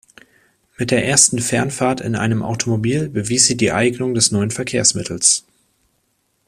Mit der ersten Fernfahrt in einem Automobil bewies sie die Eignung des neuen Verkehrsmittels.